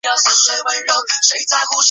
袋萼黄耆为豆科黄芪属的植物。